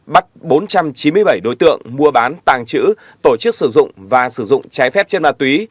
bắt bốn trăm chín mươi bảy đối tượng mua bán tàng trữ tổ chức sử dụng và sử dụng trái phép trên ma túy